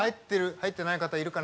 入ってない方いるかな？